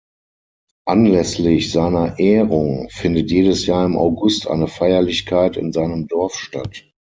Anlässlich seiner Ehrung findet jedes Jahr im August eine Feierlichkeit in seinem Dorf statt.